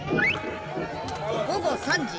午後３時。